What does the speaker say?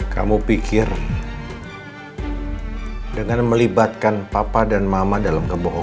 kamu pikir dengan melibatkan papa dan mama dalam kebohongan